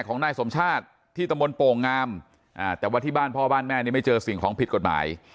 ของนายสมชาติที่ตะมนต์โป่งงามแต่ว่าที่บ้านพ่อบ้านแม่นี่ไม่เจอสิ่งของผิดกฎหมาย